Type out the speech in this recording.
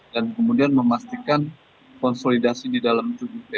dan kemudian memastikan konsolidasi di dalam tubuh tni